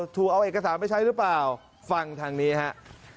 ถูกเอาเอกสารไปใช้หรือเปล่าฟังทางนี้ครับ